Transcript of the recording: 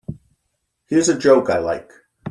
Here's a joke I like.